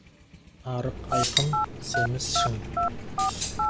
Арық — айқын, семіз — шың.